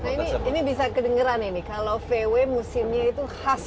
nah ini bisa kedengeran ini kalau vw musimnya itu khas